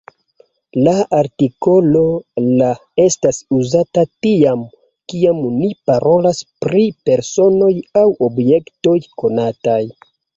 La artikolo « la » estas uzata tiam, kiam ni parolas pri personoj aŭ objektoj konataj.